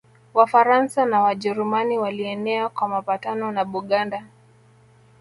Wafaransa na Wajerumani Walienea kwa mapatano na Buganda